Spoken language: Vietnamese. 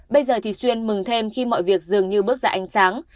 bây giờ thì xuyên mừng thêm khi mọi việc dường như bước ra ánh sáng